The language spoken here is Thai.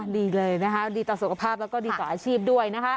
ดีเลยนะคะดีต่อสุขภาพแล้วก็ดีต่ออาชีพด้วยนะคะ